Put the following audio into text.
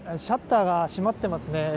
シャッターが閉まっていますね。